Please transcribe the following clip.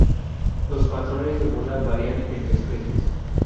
Los patrones de muda varían entre especies.